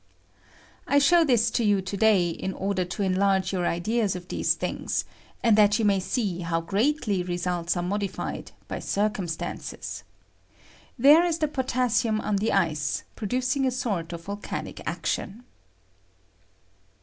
I show this to you to day in order to enlarge your ideas of these things, and that you may see how greatly results are modified by circumstances. There is the potassium on the icej producing a sort of vol canic action.